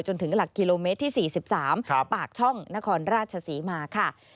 จนถึงหลักกิโลเมตรที่๔๓ปากช่องนครราชศรีมาค่ะ